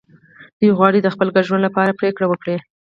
دوی غواړي د خپل ګډ ژوند لپاره پرېکړه وکړي.